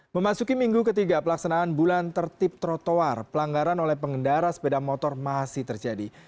memasuki minggu ketiga pelaksanaan bulan tertib trotoar pelanggaran oleh pengendara sepeda motor masih terjadi